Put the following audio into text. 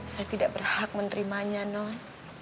saya tidak berhak menerimanya non